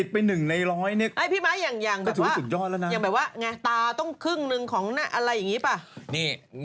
ภาพตาต้องครึ่งนึง